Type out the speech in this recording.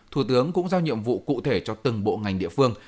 thủ tướng cũng giao nhiệm vụ cụ thể cho từng bộ ngành địa phương